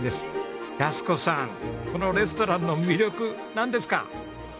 安子さんこのレストランの魅力なんですか？